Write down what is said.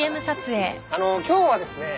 あのう今日はですね